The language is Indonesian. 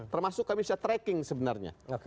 termasuk kami bisa tracking sebenarnya